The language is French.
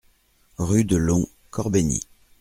Rue de Laon, Corbeny